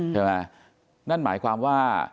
ใช่ไหมนั่นหมายความว่า